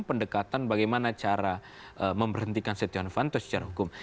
pendekatan bagaimana cara memberhentikan setiawan fanto secara hukum